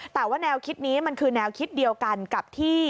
แต่ว่าแนวคิดนี้มันคือแนวคิดเดียวกันกับที่